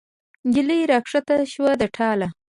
نجلۍ را کښته شوه د ټاله